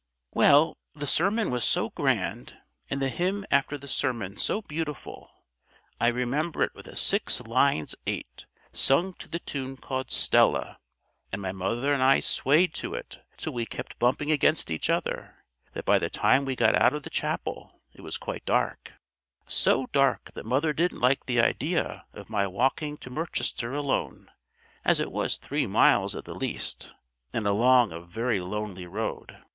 "Well, the sermon was so grand, and the hymn after the sermon so beautiful I remember it was a six lines eight, sung to the tune called Stella, and mother and I swayed to it till we kept bumping against each other that by the time we got out of chapel it was quite dark so dark that mother didn't like the idea of my walking to Merchester alone, as it was three miles at the least, and along a very lonely road.